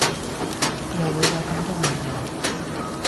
又會有咁多問題